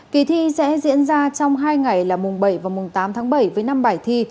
kỳ thi sẽ diễn ra trong hai ngày là mùng bảy và mùng tám tháng bảy với năm bài thi